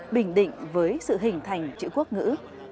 bình định với sự hình thành chữ quốc ngữ